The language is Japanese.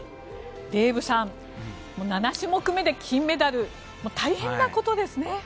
デーブさん７レース目で金メダル大変なことですね。